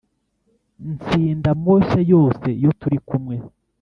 Nsinda amoshya yose iyo turi kumwe